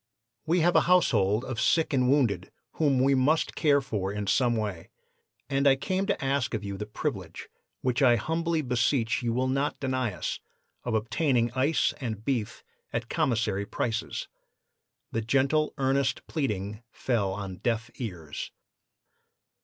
"'We have a household of sick and wounded whom we must care for in some way, and I came to ask of you the privilege, which I humbly beseech you will not deny us, of obtaining ice and beef at commissary prices.' "The gentle, earnest pleading fell on deaf ears.